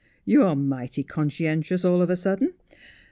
You are mighty conscientious all of a sudden.